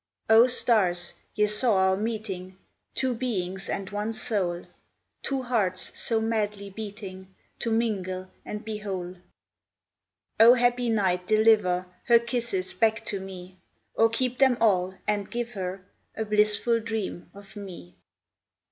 O, stars, ye saw our meeting, Two beings and one soul, Two hearts so madly beating To mingle and be whole! O, happy night, deliver Her kisses back to me, Or keep them all, and give her A blissful dream of me! 1842.